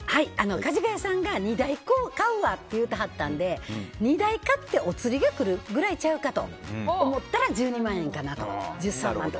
かじがやさんが２台買うわって言ってたから２台買っておつりがくるぐらいちゃうかと思ったら１２万円かなと。